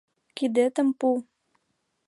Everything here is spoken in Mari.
Кидетым пу.